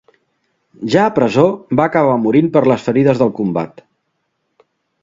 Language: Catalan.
Ja a presó va acabar morint per les ferides del combat.